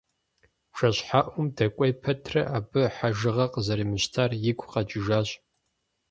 Бжэщхьэӏум дэкӏуей пэтрэ, абы хьэжыгъэ къызэримыщтар игу къэкӏыжащ.